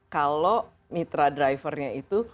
kalau mitra drivernya itu